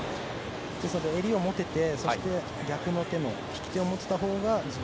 襟を持てて、そして逆の手の引き手を持てたほうが。